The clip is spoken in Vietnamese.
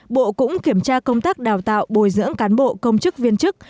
bộ cũng kiểm tra công tác đào tạo bồi dưỡng cán bộ công chức viên chức